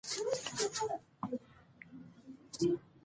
د کابل سیند د افغانستان د سیلګرۍ برخه ده.